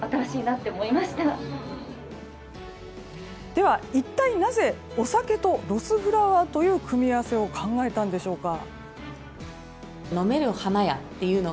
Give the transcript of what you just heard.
では、一体なぜお酒とロスフラワーという組み合わせを考えたんでしょうか。